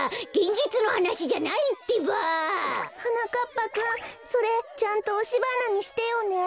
ぱくんそれちゃんとおしばなにしてよね。